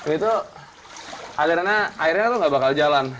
itu alirannya airnya tuh nggak bakal jalan